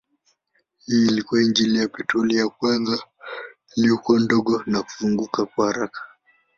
Hii ilikuwa injini ya petroli ya kwanza iliyokuwa ndogo na kuzunguka haraka.